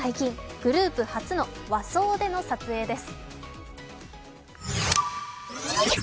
グループ初の和装での撮影です。